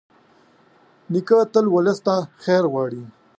نیکه تل ولس ته خیر غواړي.